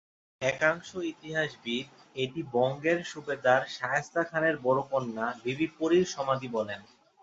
একাংশ ইতিহাসবিদ এটি বঙ্গের সুবেদার শায়েস্তা খানের বড়ো কন্যা বিবি পরীর সমাধি বলেন।